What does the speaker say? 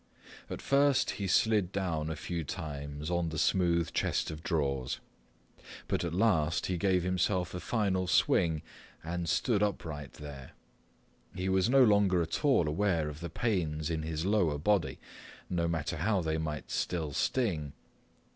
At first he slid down a few times on the smooth chest of drawers. But at last he gave himself a final swing and stood upright there. He was no longer at all aware of the pains in his lower body, no matter how they might still sting.